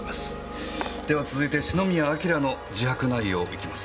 では続いて篠宮彬の自白内容いきます。